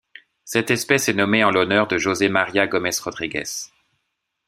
Cette espèce est nommée en l'honneur de José Maria Gomes Rodrigues.